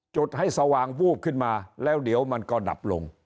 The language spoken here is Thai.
จุดให้สว่างวูบขึ้นมาแล้วเดี๋ยวมันก็ดับลง